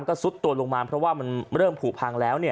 ก็ซุดตัวลงมาเพราะว่ามันเริ่มผูพังแล้ว